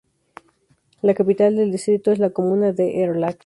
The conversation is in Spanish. La capital del distrito es la comuna de Erlach.